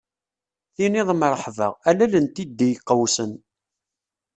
Tiniḍ mreḥba, a lal n tiddi iqewsen.